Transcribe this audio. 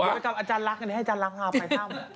อาจารย์รักไอหนูให้อาจารย์รักวางไม้